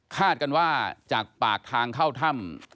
กันว่าจากปากทางเข้าถ้ำ